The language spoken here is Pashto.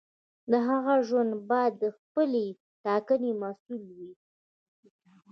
د هغه ژوند باید د خپلې ټاکنې محصول وي.